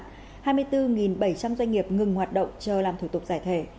hai mươi bốn bảy trăm linh doanh nghiệp ngừng hoạt động chờ làm thủ tục giải thể